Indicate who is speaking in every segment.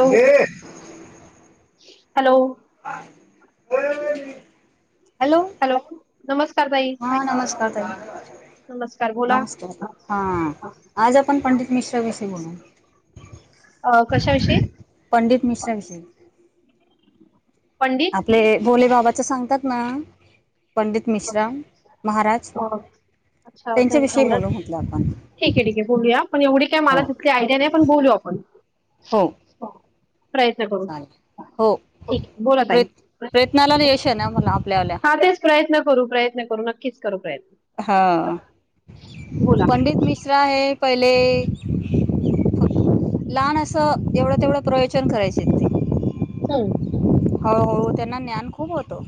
Speaker 1: Hello hello
Speaker 2: [inaudible] hello
Speaker 1: नमस्कार ताई
Speaker 2: हा नमस्कार ताई
Speaker 1: नमस्कार बोला
Speaker 2: नमस्ते हा आज आपण पंडित मिश्राविषयी बोलू.
Speaker 1: अ कशाविषयी
Speaker 2: पंडित मिश्रा विषयी
Speaker 1: पंडित
Speaker 2: आपले भोले बाबाच्या सांगतात. ना. पंडित
Speaker 1: ते
Speaker 2: मिश्रा महाराज
Speaker 1: तेवढच अच्छा
Speaker 2: त्यांच्याविषयी बोलू म्हटलं आपण
Speaker 1: ठीक आहे ठीके बोलूया, पण एवढे काय मला
Speaker 2: हो
Speaker 1: तितकी आयडिया नाही, पण बोलू आपण.
Speaker 2: हो
Speaker 1: प्रयत्न करू
Speaker 2: चालेल हो
Speaker 1: ठीक आहे बोला
Speaker 2: प्र
Speaker 1: ताई
Speaker 2: प्रयत्नाला यश येणार ना म्हणलं आपल्या
Speaker 1: हा तेच प्रयत्न करू प्रयत्न करू नक्कीच करू प्रयत्न.
Speaker 2: हा
Speaker 1: बोला
Speaker 2: पंडित मिश्रा हे पहिले. ले लहान असं एवढं तेवढं प्रवचन करायचे ते.
Speaker 1: [inaudible]
Speaker 2: हो हो त्यांना ज्ञान खूप होतो.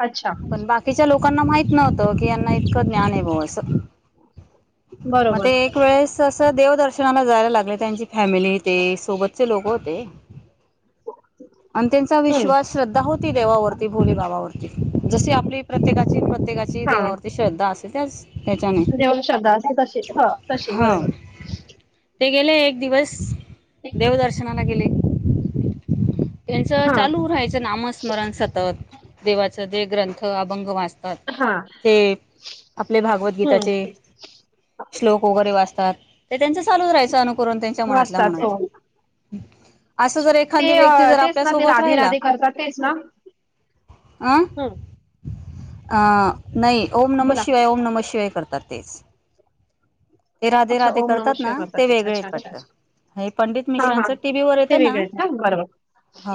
Speaker 1: अच्छा
Speaker 2: पण बाकीच्या लोकांना माहित नव्हत. यांना इतक ज्ञान आहे बुवा अस. मग
Speaker 1: बरोबर
Speaker 2: ते एक वेळेस असं देवदर्शनाला जायला लागले. त्यांची फॅमिली ते सोबत. [inaudible] होते [inaudible] ते त्यांचा
Speaker 1: हम्म
Speaker 2: विश्वास श्रद्धा होती, देवावरती भोली बाबावरती जशी आपली. प्रत्येकाची. प्रत्येकाची
Speaker 1: हा
Speaker 2: देवावरती श्रद्धा असते त्याच त्याच्याने
Speaker 1: देवावरती श्रद्धा असते तशी ह हा तशी
Speaker 2: हा
Speaker 1: बरोबर.
Speaker 2: ते गेले एक दिवस. देवदर्शना ला गेले.
Speaker 1: [inaudible]
Speaker 2: त्यांच
Speaker 1: हा
Speaker 2: चालू राहायचं नामस्मरण सतत देवाच. सगळे ते ग्रंथ अभंग वाच तात
Speaker 1: हा
Speaker 2: ते आपले भागवदगीताचे
Speaker 1: हम्म
Speaker 2: श्लोक वगैरे वाचतात. ते त्यांच. चालू रहायचं अनुकरण त्यांच्या मनातल्या
Speaker 1: वाचतात
Speaker 2: मनात
Speaker 1: हो
Speaker 2: अस जर
Speaker 1: अच्छा. ते
Speaker 2: एखादी व्यक्ती. जर
Speaker 1: तेच
Speaker 2: आपल्या
Speaker 1: ना ते
Speaker 2: सोबत
Speaker 1: राधे
Speaker 2: राहिला
Speaker 1: राधे करतात तेच ना.
Speaker 2: आ. नाही ओम नम
Speaker 1: बोला
Speaker 2: शिवाय ओम नमशिवाय. करतात तेच. ते राधे
Speaker 1: अच्छा
Speaker 2: राधे
Speaker 1: ओम नम
Speaker 2: करतात ना
Speaker 1: शिवाय
Speaker 2: ते
Speaker 1: तेच अच्छा
Speaker 2: वेगळेेत
Speaker 1: अच्छा
Speaker 2: वाटत
Speaker 1: अच्छा
Speaker 2: हे पंडित
Speaker 1: हा हा.
Speaker 2: मिश्रांचं टीव्ही वर
Speaker 1: ते
Speaker 2: येतं ना
Speaker 1: वेगळे आहेत बरोबर
Speaker 2: हो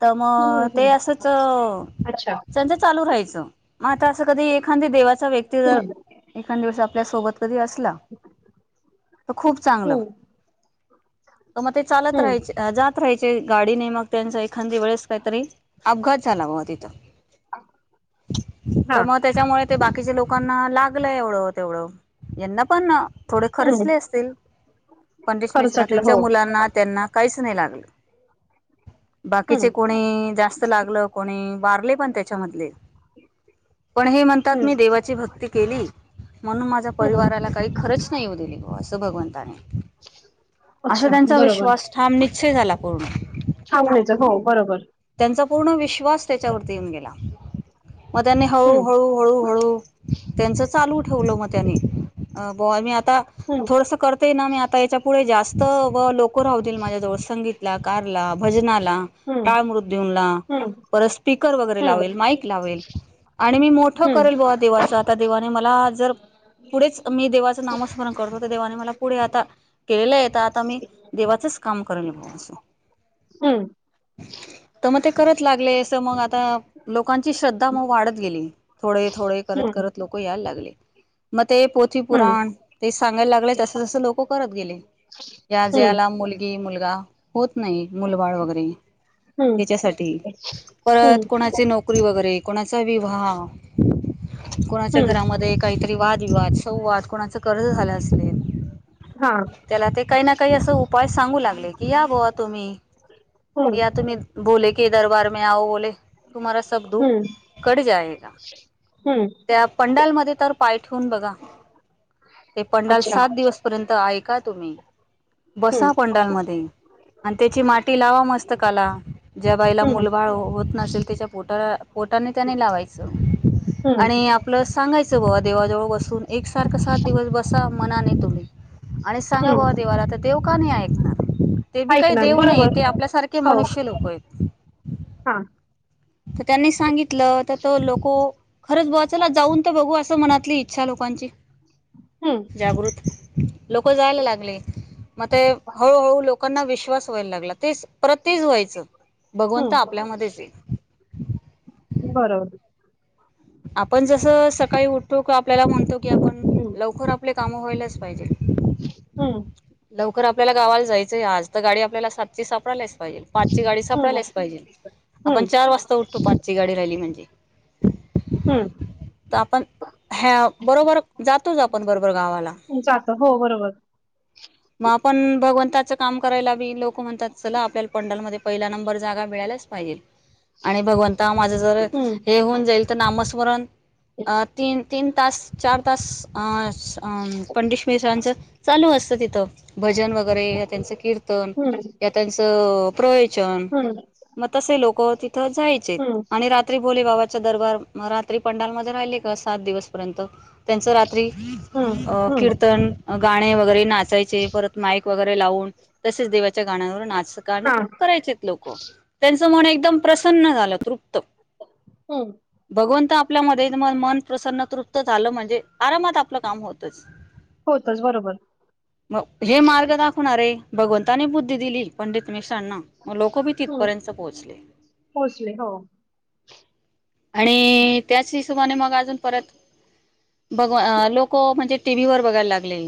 Speaker 2: तर मग
Speaker 1: हं,
Speaker 2: ते
Speaker 1: हं, हं.
Speaker 2: असंच
Speaker 1: अच्छा
Speaker 2: त्यांच चालू राहायचं मग आता असं कधी एखादी व्यक्ती देवाचा व्यक्ती जर
Speaker 1: हम्म.
Speaker 2: एखादं दिवस [unintelligible] [inaudible] कधी असला तर खूप चांगलं.
Speaker 1: हम्म
Speaker 2: तर मग ते चालत राहाय
Speaker 1: हम्म.
Speaker 2: जात राहायचे चे गाडी नाही मग त्यांचा एखांदी वेळीस काहीतरी अपघात झाला ह तिथं
Speaker 1: हा
Speaker 2: तर मग त्याच्यामुळे ते बाकीच्या लोकांना लाग ला एवढं तेवढं यांना पण थोडे
Speaker 1: हम्म
Speaker 2: खर्चले असतील पंडित मिश्रा
Speaker 1: खरचटलं हो.
Speaker 2: त्यांच्या मुलांना त्यांना काही नय लागल.
Speaker 1: हम्म
Speaker 2: बाकीचे कोणी जास्त लागल कोणी बारले पण त्याच्यामधले पण हे म्हणतात मी
Speaker 1: हम्म.
Speaker 2: देवाची भक्ती केली. म्हणून माझ्या
Speaker 1: हम्म
Speaker 2: परिवाराला काही खरंच नाही येऊ दिली. बुवा भगवंताने असं
Speaker 1: अच्छा
Speaker 2: त्यांचा
Speaker 1: बरोबर
Speaker 2: विश्वास ठाम निश्चय झाला पूर्ण.
Speaker 1: छान व्हायचं हो बरोबर.
Speaker 2: त्यांचा पूर्ण विश्वास त्याच्यावरती येऊन गेला. मग त्यानी
Speaker 1: हम्म.
Speaker 2: हळूहळू हळूहळू त्यांचं चालू ठेवलं मग त्यानी. अ बुवा मी आ आता
Speaker 1: हम्म
Speaker 2: थोडस करतय ना मी आता याच्या पुुढे जास्त बलो [unintelligible] रावतील माझ्याजवळ संगीत ला कारला भजनाला आपला
Speaker 1: हम्म
Speaker 2: टाळ मृत्यऊनला
Speaker 1: हम्म
Speaker 2: परत स्पीकर वगैरे
Speaker 1: हम्म
Speaker 2: लावेल माईक लावेल आणि मी मोठं करेल बुवा देवाच आता देवाने मला जर पुढेच मी देवाचं नामस्मरण करतो तर देवाने मला पुढे आता केलेलं ये. तर आता मी देवाचच काम करून असो
Speaker 1: हम्म हम्म. [inaudible]
Speaker 2: करत लागले असं मग आता लोकांची श्रद्धा मग वाढत गेली थोडे थोडे करत
Speaker 1: हम्म
Speaker 2: करत लोक यायला लागले मग ते पोथी
Speaker 1: हम्म
Speaker 2: पुुराण ते सांगायला लागले तस जसं लोक करत गेले या
Speaker 1: हम्म
Speaker 2: ज्याला मुलगी मुलगा होत नाही मुलबाळ वगैरे
Speaker 1: हम्म
Speaker 2: त्याच्यासाठी
Speaker 1: हम्म
Speaker 2: परत कोणाचे नोकरी वगैरे कोणा चा विवाह कोणाच्या
Speaker 1: हम्म
Speaker 2: घरामध्ये काहीतरी वादविवाद वाद कोणाच कर्ज झालं असेल
Speaker 1: हा.
Speaker 2: त्याला ते काही ना काही असं उपाय सांगू लागले की या बोवा तुम्ही
Speaker 1: हम्म
Speaker 2: या तुम्ही बोले के दरबार मे आव बोले तुम्हाला सब दुख
Speaker 1: हम्म
Speaker 2: कट जायगा
Speaker 1: हम्म
Speaker 2: त्या पंडालमध्ये तर पाय ठेवून बघा ते पंडाल
Speaker 1: अच्छा
Speaker 2: सात दिवस पर्यंत आहे का‌ तुम्ही
Speaker 1: हम्म
Speaker 2: बसा पंडालमध्ये आणि त्याची माती लावा मस्त पुस्तकाला ज्या बाईला
Speaker 1: हम्म
Speaker 2: मुलबाळ होत नसेल त्याच्या पोट पोटाने त्याने लावायचं
Speaker 1: हम्म
Speaker 2: आणि आपलं सांगायचं बावा देवजवळ बसून एक सारख सात दिवस बसा मनाने तु्डे आणि सांगा
Speaker 1: हम्म
Speaker 2: बवा देवाला तर ते चुका नाही ऐकणार ते बी काही
Speaker 1: ऐकणार
Speaker 2: देव नाहीये
Speaker 1: बरोबर
Speaker 2: ते आपल्यासारखे
Speaker 1: हो
Speaker 2: मनुष्य लोक आहेत
Speaker 1: हा
Speaker 2: तर त्यांनी सांगितलं तर तो लोको खरंच बुवा चला जाऊन तर बघू असं मनातली इच्छा लोकांची
Speaker 1: हम्म
Speaker 2: जागृत लोक जायला लागले मग ते हळूहळू लोक लोकांना विश्वास व्हायला लागला ते परत तेच व्हायचं भगवंत
Speaker 1: हम्म
Speaker 2: आपल्यामध्येच ये
Speaker 1: बरोबर
Speaker 2: आपण जस सकाळी उठतो का आपल्याला म्हणतो आपण लवकर आपले काम व्हायला पाहिजे
Speaker 1: हम्
Speaker 2: लवकर आपल्याला गावाला जायचंय आज तर गाडी आपल्याला सातची सापडायलाच पाहिजे पाच ची गाडी
Speaker 1: हम्म
Speaker 2: सापडायलाच पाहिजे आपण
Speaker 1: हम्म
Speaker 2: चार वाजता उठतो पाचची गाडी राहिली म्हणजे
Speaker 1: हम्म
Speaker 2: तर आपण ह्या बरोबर जातोच आपण बरोबर गावाला
Speaker 1: जात हो बरोबर
Speaker 2: मग आपण भगवंताच काम करायला बी लोक म्हणतात चला आपल्याला पंडालमध्ये पहिला नंबर जागा मिळालाच पाहिजे आणि भगवंता माझं जर
Speaker 1: हम्म
Speaker 2: हे होऊन जाईल तर नामस्मरण अ तीन तीन तास चार तास अ पंडितशांच चालू अस तिथं भजन वगैरे त्यांच कीर्त
Speaker 1: हम्म
Speaker 2: या त्यांचं ब्रे
Speaker 1: हम्म
Speaker 2: मग तसे लोक तिथ जायचे
Speaker 1: हम्म
Speaker 2: आणि रात्री भोले बाबा दरबार रात्री पंडालमध्येध्ये राहिली का सात दिवस पर्यंत त्यांच रात्री
Speaker 1: हम्म हम्म
Speaker 2: कीर्तन गा वगैरे नाच वाचायचे परत माईक वगैरे लावून तसेच दिवस गाण्यावरुन
Speaker 1: हा
Speaker 2: करायचे लोक एकम प्रसन्न झालं त
Speaker 1: हम्म
Speaker 2: भगवंत आप आपल्या म म मन प्रसन्न तृप्त झालं म्हणजे आरामात आपलं काम होतच
Speaker 1: होतच बरोबर
Speaker 2: मग हे मार्ग दाखवणार आहे भगवताने बुद्धी दिली पंडीत मक्षण ना मग लोक बी
Speaker 1: हम्म
Speaker 2: तिथपर्यंत पोहोचले
Speaker 1: पोहोचले हो
Speaker 2: आणि त्याच हिशोबाने मग अजून परत बघ लोक म्हणजे टी व्ही वर बघायला लागले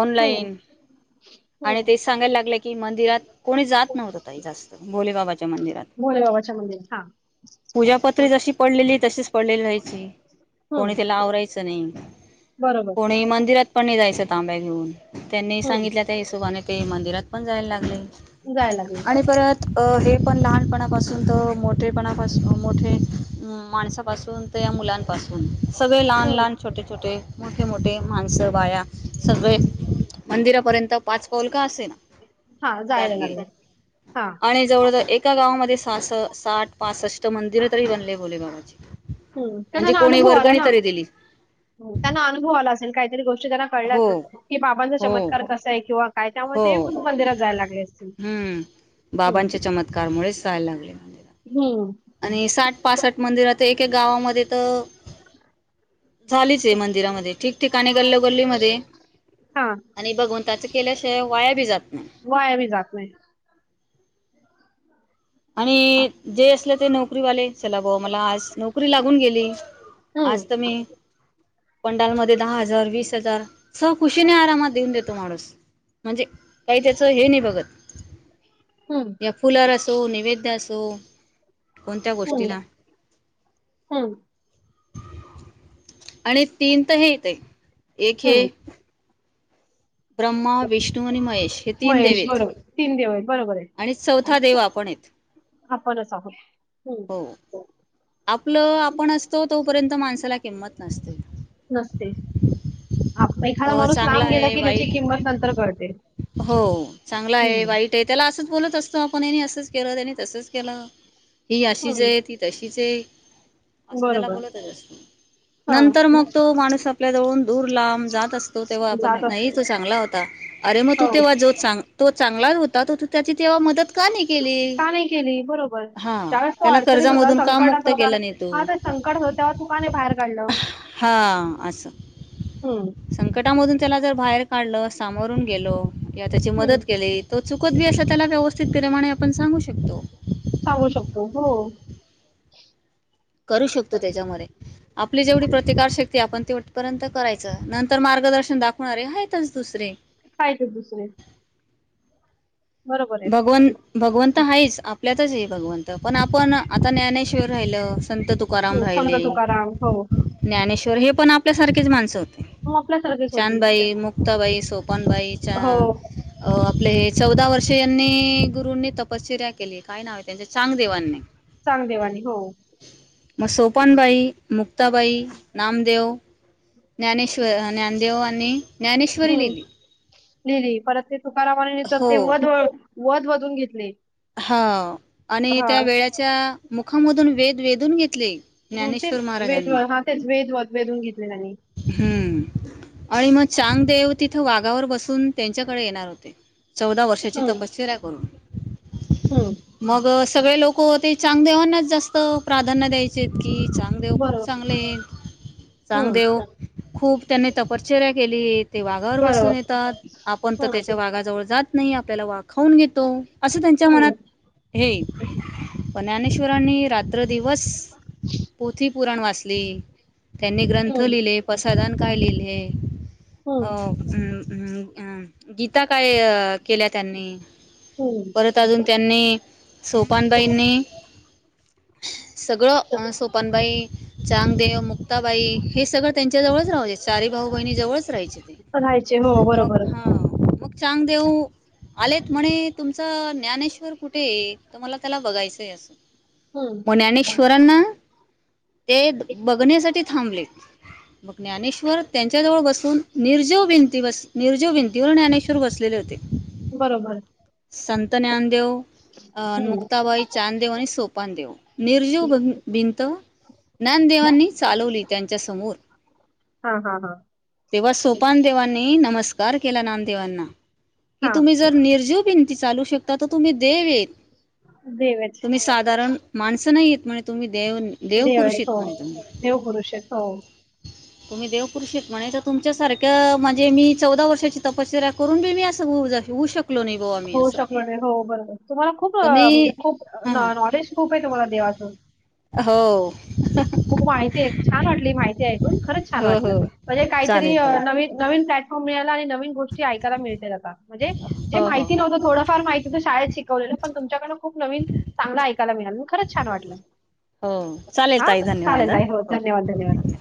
Speaker 2: ऑनलाईन
Speaker 1: हम्म
Speaker 2: आणि
Speaker 1: हम्म
Speaker 2: तेच सांगायला लागलं की मंदिरात कोणी जात नव्हत काही जास्त भोले बाबाच्या मंदिरात
Speaker 1: भोले बाबाच्या मंदिरात हा
Speaker 2: पूजा पत्री जशी पडलेली तशीच पडलेली जायची कोणी
Speaker 1: हम्म
Speaker 2: त्याला आवरायचं नाही
Speaker 1: बरोबर
Speaker 2: कोणी मंदिरात पण नाही जायचं उता बंगळूर त्यांनी सांगितल्या
Speaker 1: हम्म
Speaker 2: त्या हिशोबाने ते मंदिरात पण जायला लागले
Speaker 1: जाय लागले
Speaker 2: आणि परत हे पण लहानपणापासून तर मोठेपणापासून मोठे माणसापासून तर या मुलांपासून सगळे लहान
Speaker 1: हम्म
Speaker 2: लहान छोटे छोटे मोठे मोठे माणसं बाया सगळे मंदिरापर्यंत पाच पाऊल का असेना
Speaker 1: हा जायला
Speaker 2: जात गेले
Speaker 1: लागले हां.
Speaker 2: आणि जवळ जवळ एका गावामध्ये सास साठ पासष्ट मंदिर [inaudible] बाबाची.
Speaker 1: ह
Speaker 2: म्हणजे
Speaker 1: त्यांना
Speaker 2: कोणी
Speaker 1: अनुभव आला
Speaker 2: वर्गणी
Speaker 1: ना
Speaker 2: तरी दिली
Speaker 1: त्यांना अनुभव आला असेल काही [inaudible] त्याना कळले
Speaker 2: हो
Speaker 1: आसेल बाबांचा
Speaker 2: हो
Speaker 1: चमत्कार कसा आहे किंवा काय त्यामुळे
Speaker 2: हो
Speaker 1: ते मग मंदिरात जायला लागले असतील.
Speaker 2: हम्म
Speaker 1: हं.
Speaker 2: बाबांच्या चमत्कारमुळेच जायला लागले
Speaker 1: हं.
Speaker 2: मंदिरात आणि साठ पासठ मंदिर तर एक एक गावामध्ये तर झालीच आहे मंदिरामध्ये ठिकठिकाणी गल्लो गल्ली मध्ये
Speaker 1: हां.
Speaker 2: आणि भगवंताच केल्यास ते वाया बी जात नाय
Speaker 1: वाया मी जात नाही.
Speaker 2: आणि जे असले ते नौकरी वाले चला बाबा मला आज नोकरी लागून गेली
Speaker 1: हं.
Speaker 2: आज तर मी पंडालमध्ये दहा हजार वीस हजार सह खुशीने आरामात देऊन देतो माणूस म्हणजे काही त्याच हे नाही बघत
Speaker 1: हम्म
Speaker 2: वैद असो कोणत्या
Speaker 1: हं.
Speaker 2: गोष्टीला
Speaker 1: हं.
Speaker 2: आणि तीन तर हे येतय एक हे
Speaker 1: हं.
Speaker 2: ब्रह्मा विष्णू आणि महेश हे तीन
Speaker 1: महेश
Speaker 2: देवेत
Speaker 1: बरोबर. देव आहेत. बरोबर आहे.
Speaker 2: आणि चौथा देव आपण हेत
Speaker 1: आपणच आहोत हम्म
Speaker 2: आपलं आपण असतो तो तोपर्यंत माणसाला किंमत नसते
Speaker 1: नसते एखादा
Speaker 2: अ
Speaker 1: माणूस
Speaker 2: चांगला
Speaker 1: लांब गेला
Speaker 2: आहे
Speaker 1: कि त्याची
Speaker 2: वाईट
Speaker 1: किंमत नंतर कळते
Speaker 2: हो
Speaker 1: हम्
Speaker 2: ो आपण यानी असंच केलं त्यानी तसंच केलं ही अशीच
Speaker 1: हं.
Speaker 2: आहे ती तशी विजय असं त्याला
Speaker 1: बरोबर.
Speaker 2: बोलतच असत
Speaker 1: हां.
Speaker 2: नंतर मग तो माणूस आपल्या जवळून दूर लांब जात असतो तेव्हा आपण
Speaker 1: जात
Speaker 2: नाही
Speaker 1: असतो.
Speaker 2: तो चांगला होता अरे मग तू
Speaker 1: हो.
Speaker 2: तेव्हा जो चांग तो चांगलाच होता तो तू त्याची तेव्हा मदत का नाही केली
Speaker 1: का नाही केली बरोबर
Speaker 2: हा
Speaker 1: ज्यावेळेस तो
Speaker 2: त्याला
Speaker 1: अडचणीत होता
Speaker 2: कर्जामधुन
Speaker 1: हा संकट होत तू का नाही बाहेर काढलं
Speaker 2: हा असं संकटामधून त्याला जर बाहेर काढलं सामोरून गेलो किंवा त्याची
Speaker 1: हम्म
Speaker 2: मदत केली तो चुक खुद्द अस त्याला व्यवस्थित प्रेमाने आपण सांगू शकतो
Speaker 1: सांगू शकतो हो.
Speaker 2: करू शकतो त्याच्यामध्ये आपली जेवढी प्रतिकार शक्ती आपण तीतपर्यंत करायच. नंतर मार्गदर्शन दाखवणार आहे.
Speaker 1: काय ते दुसरे बरोबर आहे
Speaker 2: भगवन भगवंत आहेच आप आपल्यातच ये भगवंत पण आपण आता ज्ञानेश्वर राहिलं. संत तुकाराम
Speaker 1: हम्म संत
Speaker 2: रायले
Speaker 1: तुकाराम हो
Speaker 2: ज्ञानेश्वर हे पण आपल्यासारखे माणसं.
Speaker 1: मग आपल्यासारखेच होते
Speaker 2: चानबाई मुक्ताबाई सोपान पण बाईच्या
Speaker 1: हो
Speaker 2: चौदा वर यांनी गुरूंनी तपश्चर्या केली काय नाव आहे त्यांच चांगदेवांनी
Speaker 1: चांगदेवानी हो
Speaker 2: मग सोपानबाई मुक्ताबाई नामदेव. ज्ञानेश्वर ज्ञानदेव आणि ज्ञानेश्वरी लिहिली.
Speaker 1: लिहली परत ते तुकारामने तर
Speaker 2: हो
Speaker 1: तेव्हा वधवधुन घेतले.
Speaker 2: हा आणि
Speaker 1: हा
Speaker 2: त्या वेळाच्या मुखामधून वेद वेधून घेत.
Speaker 1: ह तेच वेदवळ हा तेच वेदव वेधून घेतले त्यांनी
Speaker 2: हम्म. आणि मग चांगदेव तिथं वाघावर बसून त्यांच्याकडे येणार होते. चौदा वर्षाची
Speaker 1: हम्म
Speaker 2: तपशवीर आहे करून
Speaker 1: हम्म
Speaker 2: मग सगळे लोकते चांग देवनाच जास्त धन दयचे की चांग देव खूप
Speaker 1: बरोबर
Speaker 2: चांगले आहे चांग
Speaker 1: हम्म
Speaker 2: देेव खूप त्यांनी तपश्चर्या केली ते वाघावर बसून
Speaker 1: बरोबर
Speaker 2: येतात आपण तर त्याच्या
Speaker 1: हम्म
Speaker 2: वाघाजवळ जात. नाही आपल्याला वाक खाऊन घेतो असं त्यांच्या
Speaker 1: हम्म,
Speaker 2: मनात हे प ज्ञानेश्वरनीात पत दिवस पोथी पुराण वाचली त्यांनी ग्रंथ
Speaker 1: हम्म,
Speaker 2: लिहिले. साधण काय लिहिले
Speaker 1: हम्म,
Speaker 2: अ गीता. काय केल्या त्यांनी
Speaker 1: हम्म.
Speaker 2: परत अजून त्यांनी सोपानबाईंनी सगळं सोपनबाई, चांगदेव, मुक्ताबाई हे सगळं त्यांच्या जवळच राहा चारी भाऊ बहिणी जवळच राहायचे ते
Speaker 1: राहायचे हो
Speaker 2: मग
Speaker 1: बरोबर.
Speaker 2: हा मग चांग देऊ आलेत म्हणे तुमच ज्ञानेश्वर कुठे तर मला त्याला बघायचंय असं
Speaker 1: हम्म.
Speaker 2: म ज्ञानेश्वरांना ते बघण्यासाठी थांबलेत मग ज्ञानेश्वर त्यांच्या जवळ बसून निर्जोव भिंती बस निर्जव भिंतीवर ज्ञानेश्वर बस लेले होते.
Speaker 1: बरोबर.
Speaker 2: संत ज्ञानदेव अं
Speaker 1: हम्म.
Speaker 2: मुक्ताबाई, चांदेव आणि सोपानदेव निर्जीव भिंत ज्ञानदेवांनी चालवली त्यांच्या समोर
Speaker 1: हा हा हा.
Speaker 2: तेव्हा सोपानदेवांनी नमस्कार केला नानदेवांना कि
Speaker 1: हां,
Speaker 2: तुम्ही जर निर्जीव भिंती चालू शकता तर तुम्ही देवेत
Speaker 1: देव आहेत.
Speaker 2: तुम्ही साधारण माणसं नाही येत म्हणे तुम्ही देव
Speaker 1: देव य
Speaker 2: देवपुरुष
Speaker 1: हो
Speaker 2: येत म्हणे तुम्ही
Speaker 1: देव पुुरुष आहेेत हो
Speaker 2: तुम्ही देवपूरूश ये म्हणे तर तुमच्यासारख्या म्हणजे मी चौदा वर्षाची तपशरा्या करून बी मी असंऊ होऊ शक
Speaker 1: होऊ शकलो नाही हो बरोबर तुम्हाला खूप
Speaker 2: तर मी
Speaker 1: म्हणजे खूप
Speaker 2: हां
Speaker 1: नॉलेज खूप आहे तुम्हाला देवाचं.
Speaker 2: हो.
Speaker 1: [unintelligible] खरच छान
Speaker 2: हो
Speaker 1: वाटल
Speaker 2: हो
Speaker 1: म्हणजे काहीतरी
Speaker 2: चालेल ताई
Speaker 1: नवीन मिळाला आणि नवीन गोष्टी ऐकायला मिळतील आता म्हणजे जे
Speaker 2: हो हो
Speaker 1: माहिती नव्हतं थोडफार माहितीत शाळेत शिक पण तुमच्याकडन खूप नवीन चांगला ऐकायला मिळाल खरच छान वाटलं
Speaker 2: हो चालेल
Speaker 1: हा
Speaker 2: ताई धन्यवाद
Speaker 1: चालेल
Speaker 2: हा
Speaker 1: ताई हो धन्यवाद धन्यवाद.